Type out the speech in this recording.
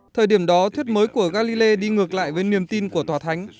thời điểm đó thuyết mới của galilei đi ngược lại với niềm tin của tòa thánh